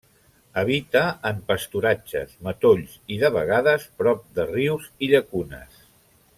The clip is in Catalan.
Habita en pasturatges, matolls i de vegades prop de rius i llacunes.